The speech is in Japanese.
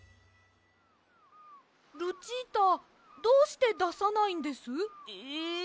ルチータどうしてださないんです？え！？